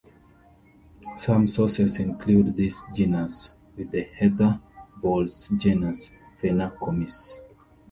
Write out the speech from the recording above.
Some sources include this genus with the heather voles, genus "Phenacomys".